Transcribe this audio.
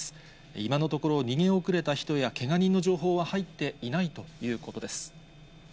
今のところ逃げ遅れた人や、けが人の情報は入っていないということです。